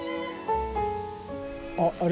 あっあれ。